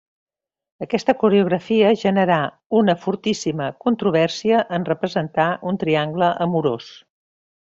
Aquesta coreografia generà una fortíssima controvèrsia, en representar un triangle amorós.